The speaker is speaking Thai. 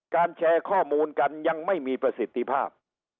แชร์ข้อมูลกันยังไม่มีประสิทธิภาพ